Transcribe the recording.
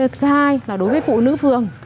thứ hai là đối với phụ nữ phường